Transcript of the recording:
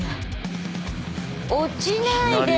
落ちないで。